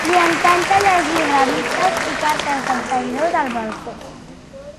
Li encanta llegir revistes i cartes dels seguidors al balcó.